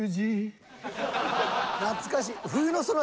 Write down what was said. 懐かしい。